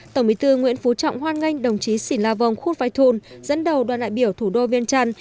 tổng bí thư nguyễn phú trọng hoan nghênh đồng chí xỉn la vòng khuất vai thun dẫn đầu đoàn đại biểu thủ đô viêng trăn